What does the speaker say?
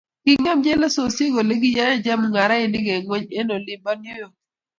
Kingem chelososinik olegiyae chemungarain eng ngony eng olin bo New York